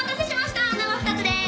生２つです！